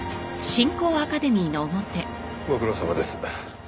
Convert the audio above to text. ご苦労さまです。